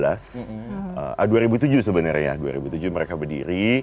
ah dua ribu tujuh sebenarnya ya dua ribu tujuh mereka berdiri